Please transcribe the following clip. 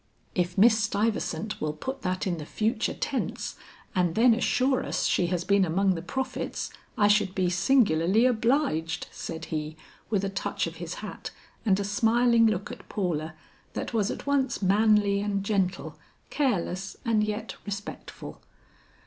"If Miss Stuyvesant will put that in the future tense and then assure us she has been among the prophets, I should be singularly obliged," said he with a touch of his hat and a smiling look at Paula that was at once manly and gentle, careless and yet respectful.